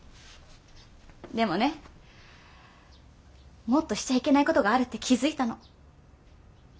でもねもっとしちゃいけないことがあるって気付いたの。